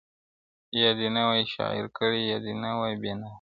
• یا دي نه وای شاعر کړی یا دي نه وای بینا کړی -